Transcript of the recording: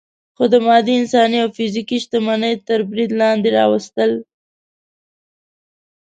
خو د مادي، انساني او فزیکي شتمنۍ تر برید لاندې راوستل.